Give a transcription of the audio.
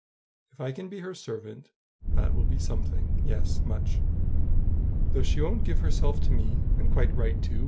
If I can be her servant, that will be something; yes, much. Though she won't give herself to me and quite right, too!